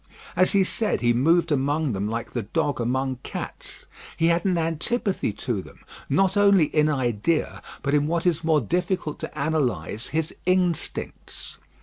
As he said, he moved among them like the dog among cats. He had an antipathy to them, not only in idea, but in what is more difficult to analyse, his instincts.